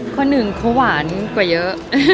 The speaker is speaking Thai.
คนหนึ่งเขาหวานกว่าเยอะ